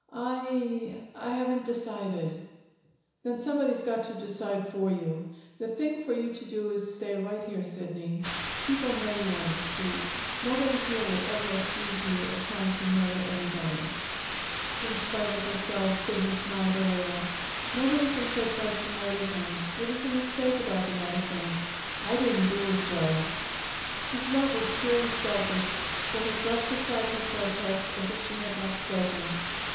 "I I haven't decided." "Then somebody's got to decide for you. The thing for you to do is to stay right here, Sidney. People know you on the Street. Nobody here would ever accuse you of trying to murder anybody." In spite of herself, Sidney smiled a little. "Nobody thinks I tried to murder him. It was a mistake about the medicines. I didn't do it, Joe." His love was purely selfish, for he brushed aside her protest as if she had not spoken.